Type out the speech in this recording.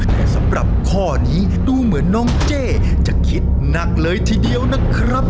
แต่สำหรับข้อนี้ดูเหมือนน้องเจ้จะคิดหนักเลยทีเดียวนะครับ